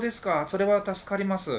それは助かります。